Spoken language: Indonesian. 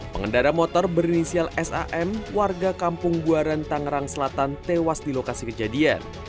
pengendara motor berinisial sam warga kampung buaran tangerang selatan tewas di lokasi kejadian